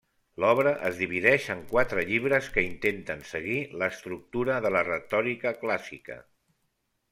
L'obra es divideix en quatre llibres que intenten seguir l'estructura de la retòrica clàssica.